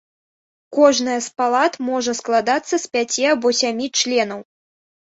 Кожная з палат можа складацца з пяці або сямі членаў.